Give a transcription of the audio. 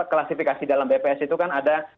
klasifikasi dalam bps itu kan ada